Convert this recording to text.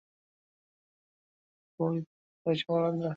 যখন পরি তখনকার হিসাব আলাদা।